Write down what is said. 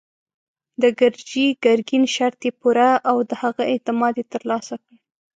د ګرجي ګرګين شرط يې پوره او د هغه اعتماد يې تر لاسه کړ.